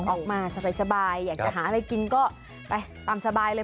ออกมาสบายอยากจะหาอะไรกินก็ไปตามสบายเลย